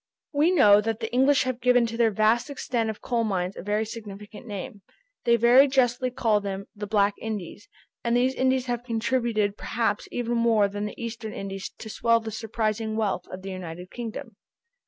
We know that the English have given to their vast extent of coal mines a very significant name. They very justly call them the "Black Indies," and these Indies have contributed perhaps even more than the Eastern Indies to swell the surprising wealth of the United Kingdom.